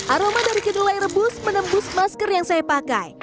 aroma dari kedelai rebus menembus masker yang saya pakai